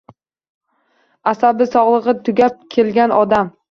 Asabi, sog‘lig‘i tugab kelgan odam.